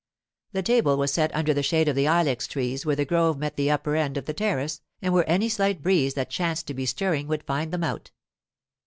The table was set under the shade of the ilex trees where the grove met the upper end of the terrace, and where any slight breeze that chanced to be stirring would find them out.